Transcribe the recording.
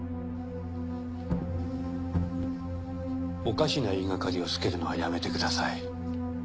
おかしな言いがかりをつけるのはやめてください。